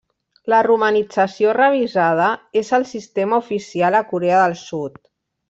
La romanització revisada és el sistema oficial a Corea del Sud.